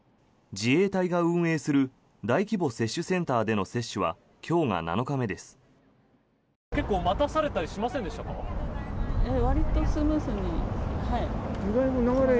自衛隊が運営する大規模接種センターでの接種は今日が７日目です。